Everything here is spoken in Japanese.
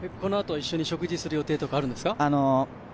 このあと一緒に食事する予定とかあるんですか？